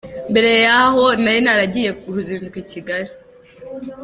Mbere yaho nari naragiriye uruzinduko i Kigali.